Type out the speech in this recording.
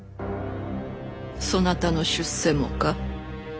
そなたの出世もか？